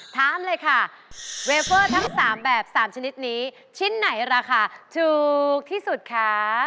ถามเลยค่ะเวเฟอร์ทั้ง๓แบบ๓ชนิดนี้ชิ้นไหนราคาถูกที่สุดคะ